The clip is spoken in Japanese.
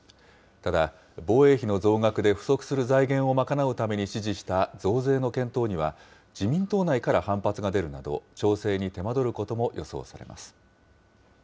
ただ、防衛費の増額で不足する財源を賄うために指示した増税の検討には、自民党内から反発が出るなど、調整に手間取ることも予想されます。